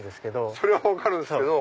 それは分かるんですけど。